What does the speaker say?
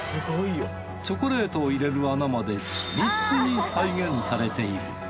チョコレートを入れる穴まで緻密に再現されている。